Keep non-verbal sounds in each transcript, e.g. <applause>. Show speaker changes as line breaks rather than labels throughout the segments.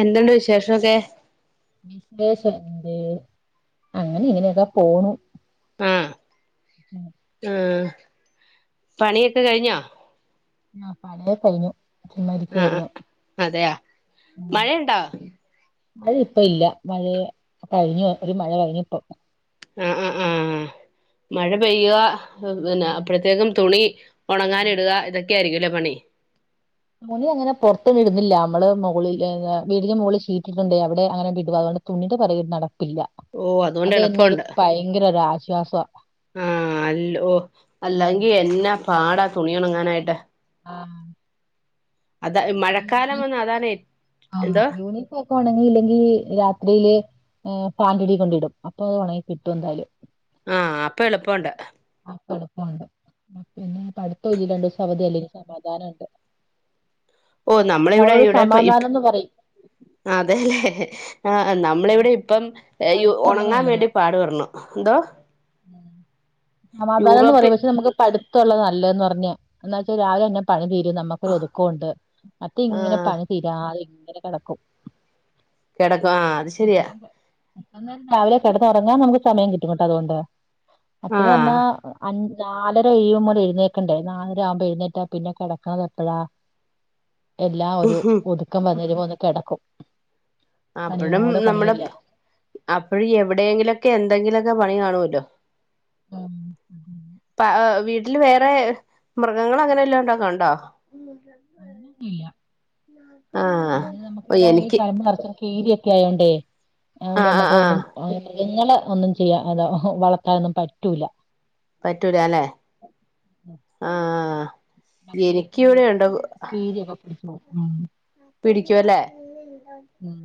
എന്തുണ്ട് വിശേഷക്കെ
വിശേഷം എന്ത് അങ്ങനെ ഇങ്ങനെയൊക്കെ പോണു
മ്
ഉം
ആ പണിയൊക്കെ കഴിഞ്ഞോ
ആഹ് പണിക്കെ കഴിഞ്ഞു
ആഹ് ആഹ്
ചുമ്മാരിക്കയിരുന്നു
അതെയാ മഴയുണ്ടോ
മഴ ഇപ്പ ഇല്ല മഴയ കഴിഞ് ഒരു മഴ കഴിഞ് ഇപ്പം
ആ ആ ആ മഴ പെയ്യ പിന്നെ
ഉം.
അപ്പയ്‌ത്തേക്കും തുണി ഒണങ്ങാൻ ഇടുക ഇതൊക്കെ ആയിരിക്കുംല്ലേ പണി
തുണി അങ്ങനെ പൊർത്തിടുന്നില്ല മ്മള് മോളില് വീടിന് മോളിൽ ഷീറ്റിട്ടി ട്ടുണ്ട് അവിടെ അങ്ങനെ ഇടു അതുകൊണ്ട് തുണിയുടെ പിറകിൽ നടപ്പില്ല
ഓ അതുകൊണ്ട്
അത് തന്നെ ഒരു
എളുപ്പമുണ്ട്
ഭയങ്കരശ്വാസാ
ആ അല്ലോ അല്ലെങ്കി എന്നാ പാടാ തുണി ഒണങ്ങാനായിട്ട്
ആ
മഴക്കാലം വന്ന അതാണ് എ
ആ
എന്തോ
യൂണിഫോക്കെ ഒണങ്ങി ഇല്ലെങ്കി രാത്രിയില് ഏ ഫാന്റടി കൊണ്ടിടും അപ്പൊ ഒണങ്ങി കിട്ടു ന്തായാലും
ആ അപ്പൊ എളുപ്പോണ്ട്
അപ്പോളുപോണ്ട് പിന്നെ പഠിത്തോലല്ലോ രണ്ടോസം അവധി അല്ലെ ഇനി സമാധാനംണ്ട്
ഓ നമ്മളെ വിടെ ഇവിടെപ്പം ഇപ്
സമാധാനം എന്ന് പറയും
അതെല്ലേ ആ അ നമ്മളിവിടെ ഇപ്പം എ ഇ
പഠിത്തമുള്ളത്
ഉണങ്ങാൻ വേണ്ടി പാടു പെടുന്നു എന്തോ
സമാധാനംന്ന് പറയാ
യൂറോപ്യ
പക്ഷെ നമുക്ക് പഠി ത്തോള്ളത് നല്ലന്ന് പറഞ്ഞ എന്നാ വെച്ചാ രാവിലെ തന്നെ പണി തീരും നമക്കൊരു ഒതുക്കോണ്ട് മറ്റേ
ആ
ഇങ്ങനെ പണി തീരാതെ ഇങ്ങനെ കിടക്കും
കിടക്കും ആ അത് ശരിയാ
നന്നായിട്ട് രാവിലെ കിടന്ന് ഉറങ്ങാ നമക്ക് സമയം കിട്ടു കേട്ടോ അതുകൊണ്ട്
ആ
മറ്റന്ന് പറഞ്ഞാ അഞ്ച് നാലര കഴിയുമ്പോ മുതല് എഴുന്നേക്കണ്ടേ നാലര ആവുമ്പോ എഴുന്നേറ്റാ പിന്നെ കിടക്കുന്നത് എപ്പഴാ എല്ലാ ഒരു ഒതുക്കം വന്നിരുമ്പോ ഒന്ന് കെടക്കും
അപ്പഴും നമ്മുടെ പ്പ് അപ്പഴും എവിടെയെങ്കിലു ഒക്കെ എന്തെങ്കിലും ഒക്കെ പണി കാണുമല്ലോ
ഉം
പ അ് വീട് വീട്ടില് വേറെ മൃഗങ്ങള് അങ്ങനെ വല്ലോക്കെ ഉണ്ടോക്കോണ്ടോ
ഇല്ല അങ്ങനൊന്നല്ല
ആ
അങ്ങനെ നമുക്ക്
ഓ
ഇവിടെ ഈ
എനിക്ക്
പറമ്പ് കീരി ഒക്കെ ആയോണ്ടേ
ആ
അതുകൊണ്ട്
ആ
നമ്മുക്ക്
ആ
അതൊന്നും മൃഗങ്ങളെ ഒന്നും ചെയ്യാ അത വളർത്താനൊന്നും പറ്റൂല
പറ്റൂല ല്ലേ ആഹ്
മറ്റേ ഈ കീരിയൊക്കെ പിടിച്ചോവും ഉം
പിടിക്കുവല്ലേ
ഉം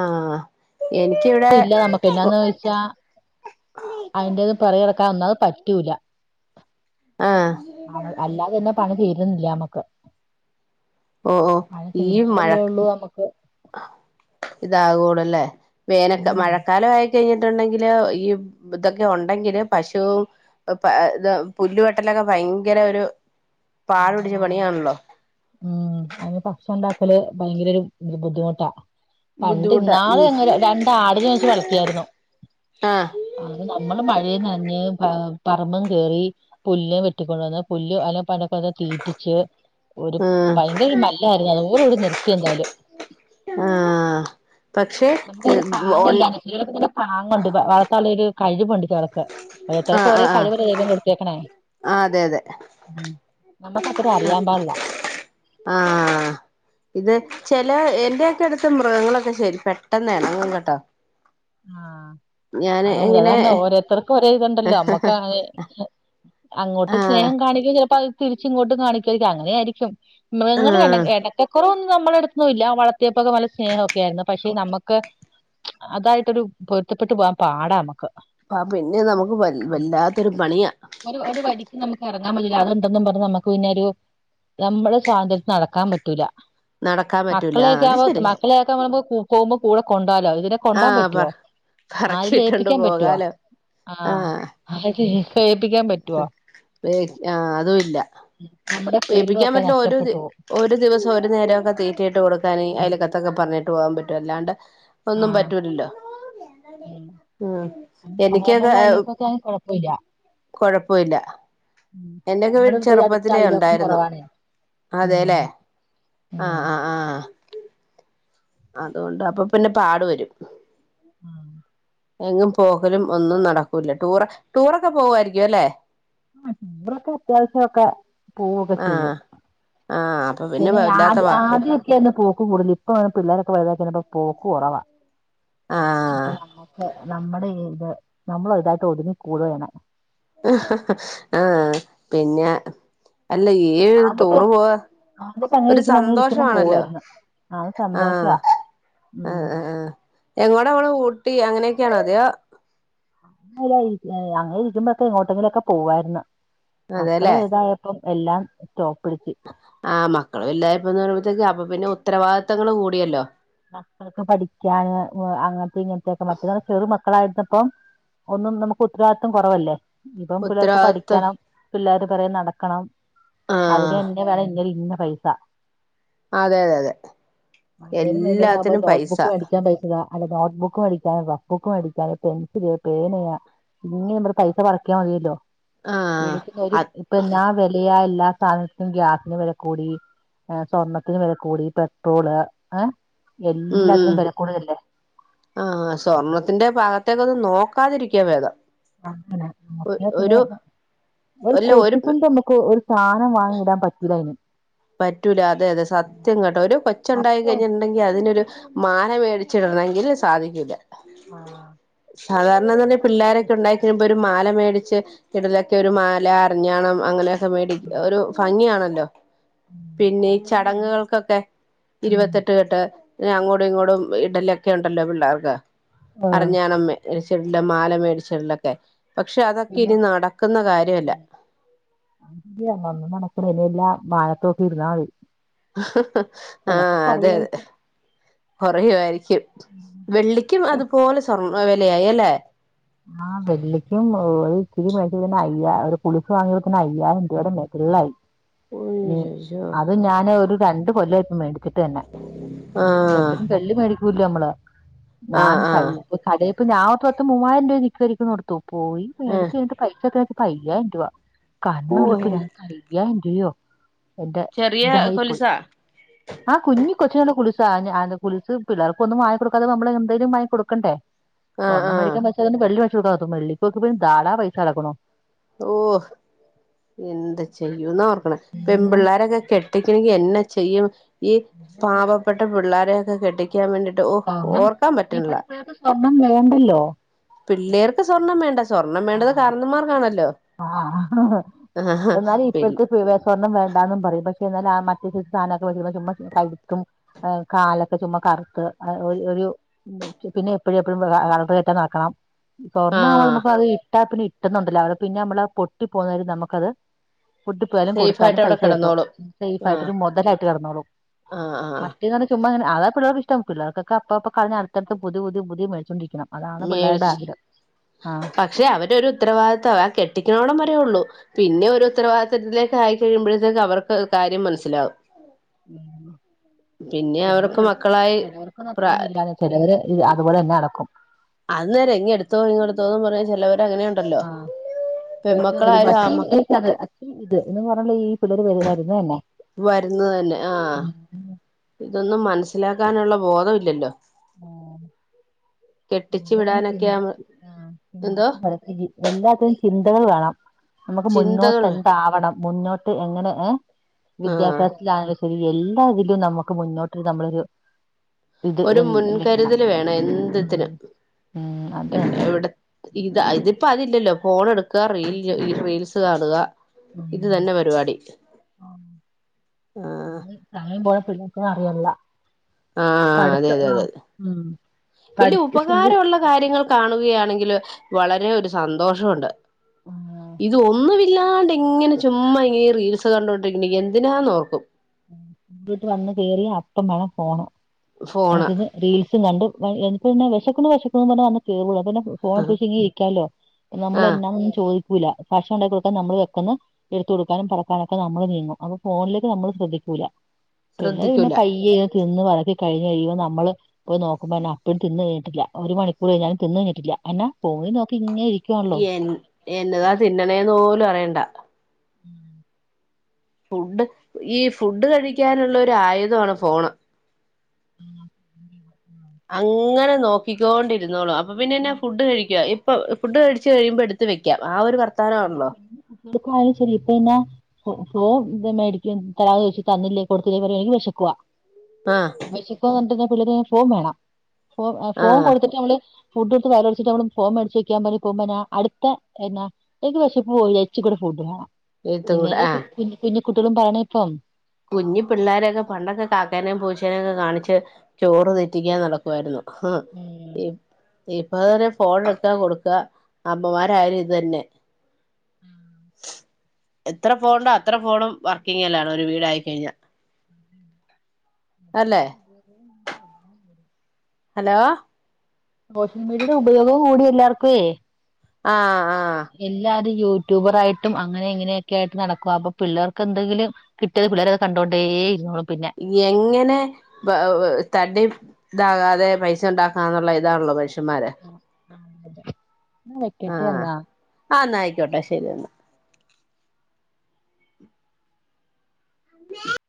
ആഹ് എനിക്കിവിടെ
പക്ഷാ അതിന്റേത് പൊറെകെടക്കാൻ ഒന്നത് പറ്റൂല
ആ
അല്ലാതെ തന്നെ പണി തീരുന്നില്ല ഞമ്മക്ക്
ഓ ഓ
മഴ തീർന്നായല്ലേ ഉള്ളൂ നമുക്ക്
ആ ഇതാകൂടല്ലേ വേദനക്ക്
ഉം
മഴക്കാലം ആയി കഴിഞ്ഞിട്ടുണ്ടെങ്കില് ഈ ഇതൊക്കെ ഉണ്ടെങ്കില് പശുവും അ് പേ ഇത് പുല്ലുവെട്ടലൊക്കെ ഭയങ്കര ഒരു പാടു
അത
പിടിച്ച പണിയാണല്ലോ
ഉം അതിന് ഭക്ഷണം ഉണ്ടാക്കല് ഭയങ്കര ഒരു ബുദ്ധിമുട്ടാ
ബുദ്ധിമുട്ടാ
പണ്ട്ന്നാള്
ഉം
ഞങ്ങൾ രണ്ടാടിനെ വെച്ച് വളർത്തിയായിരുന്നു
ആഹ്
അത് നമ്മള് മഴേം നനഞ്ഞ് പറമ്പും കേറി പുല്ല് വെട്ടിക്കൊണ്ടുവന്ന് പുല്ല് അല്ല ഇപ്പ അതെ തീറ്റിച്ച് ഒരു
ആഹ്
ഭയങ്കര മല്ലായിരുന്നു അതുപോലണ്ട് നിർത്തി എന്തായാലും
ആ പക്ഷെ ഉണ്ടാ
ഇ പിന്നെ പാങ്ങുണ്ട് വളർത്തല്ലൊരു കഴിവ് ഉണ്ട് ചെലർക്ക് ഓരോരുത്തർക്ക്
ആഹ്
ഒരേ
ആഹ് ആഹ്
കഴിവല്ലേ ദൈവം കൊടുത്തേക്കണേ
ആഹ് അതെ അതെ
നമ്മക്ക്ത്ര അറിയാ പാടില്ല
ആഹ ഇത് ചില എന്റെറെയൊക്കെ എടുത്ത് മൃഗങ്ങളൊക്കെ ശരി പെട്ടെന്ന് എണങ്ങും കേട്ടോ
ആഹ്
ഞാന്
അതാ
ഇങ്ങനെ
പറഞ്ഞേ ഓരോരുത്തർക്ക് ഒരേ ഇതുണ്ടല്ലോ നമ്മക്കാതേ അങ്ങോട്ട്
ആഹ്
സ്നേഹം കാണിക്കയും ചിലപ്പോ അത് തിരിച്ച ഇങ്ങോട്ടും കാണിക്കുവമായിരിക്കും അങ്ങനെ ആയിരിക്കും മൃഗങ്ങള് എണ
ആഹ്
എടക്കക്കുറവെന്നും നമ്മളടുത്ത് ഒന്നുല്ല വളർത്തിയപ്പോക്കെ നല്ല സ്നേഹൊക്കെ ആയിരുന്നു പക്ഷെ നമുക്ക് അതായ് തൊരു പൊരുത്തപ്പെട്ട് പോകാൻ പാടാ നമുക്ക്
ആ പിന്നെ നമുക്ക് വൽ വല്ലാത്തൊരു പണിയാ
ഒരു ഒരു വരിക്ക് നമുക്ക് ഇറങ്ങാൻ പറ്റില്ല അത്ണ്ടെന്നും പറഞ്ഞ് നമുക്ക് പിന്നെ ഒരു നമ്മുടെ സ്വാതന്ത്ര്യത്തിന് നടക്കാൻ പറ്റൂല
നടക്കാൻ പറ്റൂല ആ
മക്കളെയക്കെ
അത്
ആകമ്പോ
ശരിയാ
മക്കളെയെ നമക്ക് പോകുമ്പോ കൂടെ കൊണ്ടാലോ ഇതിനെ കൊണ്ടോൻ
ആഹ് പറ
പറ്റുവോ ആരെലും
പറക്കിയിട്ടുണ്ട്
ഏപ്പിക്കാൻ പറ്റുവോ
പോകാലോ
ആ ഏപ്പിക്കാൻപറ്റ്
അ വെക് ആ അതും ഇല്ല
നമ്മുടെ ഫ്രീഡം
ഏൽപ്പിക്കാൻ
ഒക്കെ
പറ്റുന്ന ഒരു
നഷ്ടപ്പെട്ടു പോവും
ഒരു ദിവസം ഒരു നേരം ഒക്കെ തീറ്റിയിട്ട് കൊടുക്കാാന് അയലക്കത്ത് ഒക്കെ പറഞ്ഞിട്ട് പോകാൻ പറ്റും അല്ലാണ്ട് ഒന്നും
ആഹ്
പറ്റൂലല്ലോ ആഹ എനിക്ക്‌ ഒക്കെ
സാധാരണയുള്ള അയലൊക്കൊക്കെ ആണെ കൊഴപ്പമില്ല
കൊഴപ്പഇല്ല എന്റെക്കെ
നമ്മുടെ
വീട്ട്
ഇപ്പൊ ഈ അടുത്ത
ചെറുപ്പത്തിലേ
അയലോക്കം
ഉണ്ടായിരുന്നു
കുറവാണേ ഉം
അതെല്ലേ ആ
ഉം
ആഹ് ആ് അതുകൊണ്ട് അപ്പൊ പിന്നെ പാടു വരും
ആഹ്
എങ്ങും പോകലും ഒന്നും നടക്കൂല ടൂർ ടൂറൊക്കെ പോവായിരിക്കു അല്ലേ?
അത്രക്ക് അത്യാവശ്യക്കെ.
ആഹ്. ആഹ്
പിന്നെ
വല്ലാത്ത
ആത്
പാ
ആദ്യംക്കെയായിര്ന്ന് പോക്ക് കൂടുതല്. ഇപ്പ പിള്ളോരൊക്കെ വലുതായികയിഞ്ഞപ്പൊ പോക്ക്കൊറവാ.
ആഹ്
ഇപ്പൊ നമ്മക്ക് നമ്മടെ ഇത് നമ്മൾ <unintelligible> യിട്ട് ഒതുങ്ങിക്കൂടു. <unintelligible>
ഹഹഹ ആഹ് പിന്നെ. അല്ല ഏ
ആദ്യമൊക്കെ
ടൂറ് പോവാ ഒരു സന്തോഷവാണല്ലോ?
ആഹ് സന്തോഷാ
ആഹ്
ഉംഹ്.
ആഹ് ആഹ് എങ്ങോടാ പോണ്. ഊട്ടി അങ്ങനെയൊക്കെയാണോ അതെയോ?
അങ്ങല്ല അങ്ങനെ ഇരിക്കുമ്പോഴക്കെ എങ്ങോട്ടെങ്കിലുംമൊക്കെ പോവായിര്ന്ന് മക്കള്
അതെല്ലേ
വെതായ പ്പം എല്ലാം <unintelligible> ച്ച്
ആഹ്. മക്കള് വല്ലായപ്പോ <unintelligible> ക്ക് അപ്പൊ പിന്നെ ഉത്തരവാദിത്തങ്ങള് കൂടിയല്ലോ?
മക്കൾക്ക് പഠിക്കാന് വ് അങ്ങൻത്തെ ഇങ്ങൻത്തെക്കെ വർക്ക് കള് ചെറു മക്കളായിര്ന്നപ്പം ഒന്നും നമുക്ക് ഉത്തരവാദിത്വം കൊറവല്ലേ. ഇപ്പം പിള്ളേർക്ക്
ഉത്തരവാദിത്തം
പഠിക്കണം. പിള്ളേര് പെറെകൈ നടക്കണം. അവ്ടെ
ആഹ്
ൻ്റെ <unintelligible> ഇന്ന പൈസ.
അഹ് അതെ അതെ അതെ.
ഏത് മെയ്ല്യാരാവുംബോ
എല്ലാത്തിനും
നോട്ട് ബുക്ക്‌
പൈസ
വെടിക്കാൻ പെയ്സയാ അല്ല നോട്ട് ബുക്ക്‌ മേടിക്കാൻ റഫ്ബുക്കും മേടിക്കാന് പെൻസില് പേന ഇനി നമ്മൾ പൈസ പറയ്ക്കാൻ മതിയല്ലോ?
ആഹ്
രൂപത്തി
അത്
ഇപ്പ എന്നാ വെലയാ എല്ലാ സാധ പൊ ഗ്യാസിന് വെല കൂടി സ്വർണ്ണത്തിന് വെല കൂടി പെട്രോള് ഏ എല്ലാത്തിനും വെല കൂടെല്ലേ?.
ആ സ്വർണ്ണത്തിന്റെ ഭാഗത്തേകൊക്കെ ഒന്ന് നോക്കാതിരിക്കാ ഭേദം.
അഹ് അങ്ങനെ പിന്നെ
ഒരു
ഒരു കൊത്തി കൊണ്ട് അമ്മുക്ക് ഒര് സാനം വാങ്ങി ഇടാൻ പറ്റൂലയിന്.
പറ്റൂല അതെ അതെ സത്യം കേട്ടെ ഒരു കൊച്ചുണ്ടായി
മറ്റേ
കഴിഞ്ഞത് ണ്ടെങ്കിൽ അതിനൊരു മാല വേടിച്ചിടണങ്കിൽ സാധിക്കുല്ല.
ആഹ്
സാധാരണ എന്ന്
മറ്റേ
പറഞ്ഞാൽ പിള്ളോരൊക്കെ
സാധനം
ഉണ്ടായിക പ്പെരുൻപൊരു മാല മേടിച്ച് ഇടലൊക്കെ. ഒരു മാല, അരഞ്ഞാണം അങ്ങനെയൊക്കെ മേടിക്കാ ഒരു ഭംഗിയാണല്ലോ? പിന്നെ ഈ ചടങ്ങുകൾക്കൊക്കെ
ഉം
ഇരുപത്തെട്ട് കെട്ട് പിന്നെ അങ്ങോട്ടും ഇങ്ങോടും ഇടലൊക്കെണ്ടല്ലോ പിള്ളേർക്ക്.
ആഹ്
അറിഞ്ഞാണമ്മേടിച്ചെട് മാല മേടിച്ചെട്ലൊക്കെ പക്ഷെ അതൊക്കെ
പിന്നെ
ഇനി നടക്ക്‌ന്ന കാര്യവല്ല.
വന്നു നടപ്പ്റെഡിയല്ലാം മാനത്തോക്കി ഇരുന്നാമതി.
ആഹ് അതെ അതെ
കൊറയായിരിക്കും
കുറയുവായിരി <unintelligible> വെള്ളിക്കും അത്പോലെ സ്വർണ വെലയായി അല്ലെ?
ആഹ് വെള്ളിക്കും ഓ ഇത്തിരി മേടിച്ചപ്പൊന്നെ അയ്യാ ഒരു പുളിപ്പ് വാങ്ങിയപ്പോത്തന്നെ അയ്യായിരം രൂപയുടെ മേ - പിള്ളായി. നീ
ഉയ്യയ്യോ
അത് ഞാന് ഒരു രണ്ട് കൊല്ലമായിപ്പം മേടിച്ചിട്ട് തന്നെ
ആഹ്
എ വെള്ളി മേടിക്കൂല്ല നമ്മള്. ഞാൻ
ആഹ്
പൈ
ആഹ്
കടേപൊയ് ഞാത്ത് ത്ത് മൂവായിര ന്റോ <unintelligible> കൊടുത്തു പോയി
ഏഹ്
മേടിചഴിഞ്ട്ട് പൈസത്ര അയ്യായിരം രൂവ. കണ്ണ എളുപ്പ്
ഓഹ്
ഞാൻ കഴ്യയിരംരൂവയോ
ചെറിയ
എന്റെതായിപ്പോയി.
കൊലുസാ
ആ കുഞ്ഞി കൊച്ചിന്ല്ല കുല്സാ കുല്സ് പിള്ളേർക് ഒന്നും വാങ്ങ <unintelligible> ഇപൊന്തേലും വങ്ങി കൊടുക്കണ്ടേ?
ആഹ്
സ്വർണ്ണം
ആഹ്
മേടിക്കാൻ പറ്റാതൊണ്ട് വെള്ളിവേടിച്ചുകൊടുക്കാ വെള്ളിപ്പോക്കക്ക് പിന്നെധാടാ പൈസ കെടക്ണോ.
ഓഹ്. എന്ത് ചെയ്യൂന്ന് ഓർക്കണെ.
ഉം
പെമ്പിള്ളേരൊക്കെ കെ ട്ടിക്കണേങ്കി എന്നാ ചെയ്യും. ഈ പാവപ്പെട്ട പിള്ളോരെയൊക്കെ കെട്ടി ക്യാൻ വേണ്ടീട്ട് ഓ
സ്വർണം
ഓർക്കാൻ പറ്റണില്ല
ഇപ്പത്തെ പിള്ളേർക്ക് സ്വർണം വേണ്ടല്ലോ?
പിള്ളേർക്ക് സ്വർണം വേണ്ട സ്വർണം വേണ്ടത്
ആഹ്
കാർണോർക്കാണല്ലോ?
ആഹ് എന്നാലും
പി
ഇപ്പോഴത്തെ സ്വർണം വേണ്ടന്നും പറയും പക്ഷെ എന്നാൽ മറ്റ ച സാധനമക്കെ വെ ചുമ് കഴിക്കും കാലൊക്കെ ചുമ്മാ കറുത്ത് ഏ ഒരു പിന്നെ എപ്പോഴും എപ്പോഴും <unintelligible> ആകണം സ്വർണ്ണ ആവുമ്പോ
ആഹ്
നമുക്കത് ഇട്ടാ പിന്നെ ഇട്ടുന്നുണ്ടല്ലോ അവിടെ പിന്നെ നമ്മളത് പൊട്ടി പോകുന്നും നമുക്കത് ഫുഡ് ബലം
സേഫ് ആയിട്ട്
കൊടുത്താലും
അവിടെ
പൈസ കിട്ടും
കിടന്നോളും
സേഫ്
ആഹ്
ആയിട്ട് മുതലായിട്ട് കടന്നോളൂ
ആഹ് ആഹ്
ചുമ്മാങ്ങനെ പിള്ളേക്ക് ഇഷ്ടം പിള്ളേർക്ക അപ്പ അപ്പ കളഞ്ഞു അടുത്തടുത്ത പുതി പുതി പുതിയ മേിച്ചുകൊണ്ടരിക്കണം അതാണ് പിള്ളേരുടെ
മേടിച്ചു
ആഗ്രഹം ആഹ്
പക്ഷെ അവര്ഒരു ഉത്തരവാദിത്തവം ആ കെട്ടിക്കണോടം വരെയൊള്ളു പിന്നെ ഒരു ഉത്തരവാദിത്തത്തിലേക്ക് ആയിക്കഴിയുമ്പോഴത്തേക്ക് അവർക്ക് കാര്യം മനസ്സിലാവും
ഉം
പിന്നെ അവർക്ക്
ചിലള്ളർക്ക
മക്കളായി
ചിലവർക്കും
പ്ര
അത്രേന്നുല്ല ചിലവര് അതുപോലെന്നെ അടക്കും
അന്നേരം ഇങ് എടുത്തോ നഇങ് എടുത്തോന്ന് പറഞ്ഞ ചെലവർ അങ്ങനെ ണ്ടല്ലോ
ആഹ്
പെമ്മക്കളായാലും ആൺമക്കളായാലും
അത് അച് ഇത് എന്ന് പറഞ്ഞുള്ള ഈ പിള്ളേര് വരുത് വരുതന്നെ
വരുന്നത് തന്നെ ആ ഇതൊന്നും മനസ്സിലാക്കാനുള്ള ബോധം ഇല്ലല്ലോ
ആ
കെട്ടിച്ചു
എന്ത
വിടാനൊക്കെ ആവുമ്പോ
ചിന്തിച്ച് ആഹ്
എന്തോ
ചിന്തിച്ച് എല്ലാത്തിനും ചിന്തകൾ വേണം നമുക്ക് മുന്നോട്ട്
ചിന്തകള്
എന്താവണം മുന്നോട്ട് എങ്ങനെ ഏഹ്
ആഹ്
വിദ്യാഭ്യാസത്തിൽ ആ എല്ലാ ഇതിലും നമുക്ക് മുന്നോട്ട് നമ്മളൊരു ഇത് എ
കരുതൽ വേണം എന്ത്ത്തിനും
ഉം അത് തന്നെ
എവിടെ ഇത് ഇതിപ്പോ അതില്ലല്ലോ ഫോൺ എടുക്കുക റീൽ ഈ റീൽസ് കാണുക
ഉം
ഇത് തന്നെ പരിപാടി ഉം
സമയം പോയത് പിള്ളേക്കോന്നും അറിയല്ല
ആഹ് അതെ അതെ അതെ അതെ
ഉം
വലിയ
പഠി സ്കൂൾ
ഉപകാരള്ള കാര്യങ്ങൾ കാണുകയാണെങ്കിൽ വളരെ ഒരു സന്തോഷണ്ട്
ആഹ്
ഇത് ഒന്നുവി ഇല്ലാണ്ട് ഇങ്ങനെ ചുമ്മാ ഇങ്ങന റീൽസ് കണ്ടോണ്ടിരിക്കുന്ന എന്തിനാന്നോർക്കും
വീട്ടിൽ വന്ന് കേറി അപ്പം മാണം ഫോൺ
ഫോണ്
അതിന് റീൽസ് കണ്ട് വിശക്ക്ണ് വിശക്കന്ന് പറഞ്ഞു കേറുള്ളൂ അന്നെ ഫോണ എടുത്ത് വെച്ചെങ്കി ഇരിക്കല്ലോ നമ്മളെ
ആഹ്
എന്നാന്നും ചോദിക്കൂല്ല ഭക്ഷണം ഉണ്ടാക്കി കൊടുക്കാൻ നമ്മള് വെക്കന്ന് എടുത്ത കൊടുക്കാനും പലക്കാനൊക്കെ നമ്മള് നീങ്ങും അപ്പൊ ഫോണിലേക്ക് നമ്മള് ശ്രദ്ധിക്കൂില്ല പിള്ളേർ പിന്നെ
ശ്രദ്ധിക്കൂല
പയ്യെ തിന്ന് വളബി കഴിഞ് കഴിയുമ്പോ നമ്മള് നോക്കുമ്പോ അപ്പഴും തിന്ന് കഴിഞ്ഞട്ടില്ല ഒരുണിക്കൂർ കഴിഞ്ഞാ തിന്ന് കിഞ്ഞിട്ടില്ലാ എന്നാ ഫോൺയിൽ നോക്കി ഇങ്ങന ഇരിക്കും
എൻ എന്നതാ തിന്നണേന്ന് പോലും അറിയണ്ട
ഉം
ഫുഡ് ഈ ഫുഡ് കഴിക്കാനുള്ള ഒരു ആയുധമാണ് ഫോണ്
<inaudible>
അങ്ങനെ നോക്കിക്കോണ്ടിരുന്നോളു അപ്പൊ പിന്നെന്നെ ഫുഡ് കഴിക്കാ ഇ ഫുഡ് കഴിച്ച് കഴിയുമ്പോ എടുത്ത് വെക്ക ആ ഒരു വർ
അയിശേരി ഇപ്പൊ എന്നാ ഫോൺ മേടിക്കും തരാം വെച്ച് തന്നില്ലേ കൊടുത്തില്ലേ പറയവാണെങ്കിൽ വിശക്കുവാ
ആഹ്
വിശക്കോ പറഞ്ഞിട്ട പിള്ളേ ഫോൺ വേണം ഫ ഫോൺ
ആഹ്
കൊടുത്തിട്ട് അവൾ ഫുഡ് എടുത്ത് വലടിച്ചട്ട് നമ്മള് ഫോം മേട്ച്ച് വക്കാൻ പോക്പോ അടുത്ത എന്നാ <unintelligible> അക്ക് പക്ഷെ പോയി അച്ച കൂടെ ഫുഡ് വേണം
എഴുത്തും
ഇതന്നെ
കൂടെ ആഹ്
അല്ലെ കുട്ടിളും പറിനെ ഇപ്പം
കുഞ്ഞി പിള്ളേരെയൊക്കെ പണ്ടൊക്കെ കാക്കാനേും പൂച്ചേനെക്കെ കാണിച്ച് ചോറ് തീറ്റിക്കാൻ നടക്കുയിരുന്നു ആഹ്
ഉം
ഇ ഇപ്പൊ ഫോൺ എടുക്കാ കൊടുക്ക അമ്മമാരായാലും ഇത് തന്നെ എത്ര ഫോണണ്ടോ അത്ര ഫോണും വർക്കിങ്ലാണ് ഒരു വീടായി കഴിഞ്ഞ
<inaudible>
ഹലോ?
സോഷ്യൽ മീഡിയയുടെ ഉപയോഗം കൂടി എല്ലാർക്കേ.
ആഹ് ആഹ്
എല്ലാരും യൂട്യൂബറായിട്ടും അങ്ങനെ ഇങ്ങനെയൊക്കെ ആയിട്ട് നടക്കും അപ്പൊ പിള്ളേർക്കൊ എന്തെങ്കിലും കിട്ടിയത് പിള്ളേര കണ്ടുകൊണ്ടേ ഞമൾ പിന്നെ
എങ്ങനെ പ തടി ഇതാകാതെ പൈസ ഉണ്ടാക്കാ എന്നുള്ള ഇതാണല്ലോ മനുഷന്മാര്
ആ അ അതെ ന വെക്കട്ടെ എന്നന്നാ
ആ ന്നയിക്കോട്ടെ ശരി എന്നാൽം അ <inaudible>